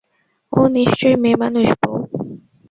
ও নিশ্চয়ই মেয়েমানুষ, বৌ!